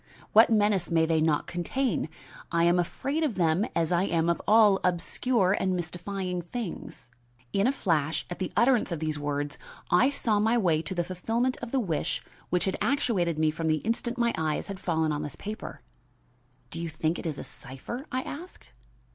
What menace may they not contain? I am afraid of them, as I am of all obscure and mystifying things." In a flash, at the utterance of these words, I saw, my way to the fulfillment of the wish which had actuated me from the instant my eyes had fallen on this paper. "Do you think it a cipher?" I asked.